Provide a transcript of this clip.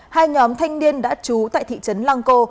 hai nhóm thanh niên đã trú tại thị trấn lăng cô